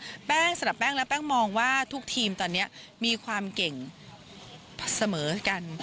แป้งสำหรับแป้งและแป้งมองว่าทุกทีมตอนนี้มีความเก่งเสมอกัน